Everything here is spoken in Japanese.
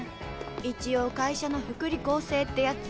一応会社の福利厚生ってやつ？